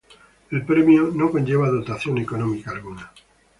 El premio no conlleva dotación económica alguna.